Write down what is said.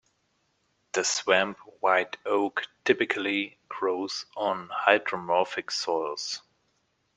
The swamp white oak typically grows on hydromorphic soils.